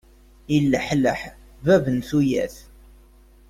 Yelleḥleḥ bab n tuyat.